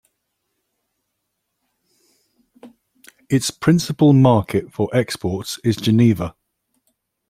Its principal market for exports is Geneva.